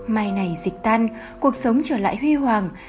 mai này dịch tan cuộc sống trở lại huy hoàng